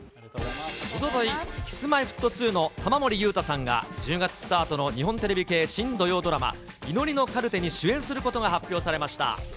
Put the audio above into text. おととい、Ｋｉｓ−Ｍｙ−Ｆｔ２の玉森裕太さんが、１０月スタートの日本テレビ系新土曜ドラマ、祈りのカルテに主演することが発表されました。